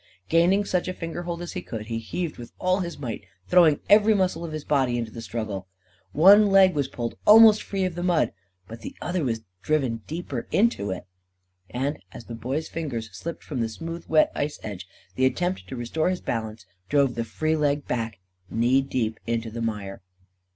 Gaining such a finger hold as he could, he heaved with all his might, throwing every muscle of his body into the struggle. One leg was pulled almost free of the mud, but the other was driven deeper into it. And, as the Boy's fingers slipped from the smoothly wet ice edge, the attempt to restore his balance drove the free leg back, knee deep into the mire.